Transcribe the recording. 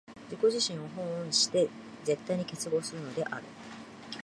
自己自身を翻して絶対に結合するのである。